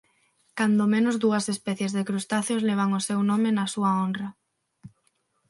Cando menos dúas especies de crustáceos levan o seu nome na súa honra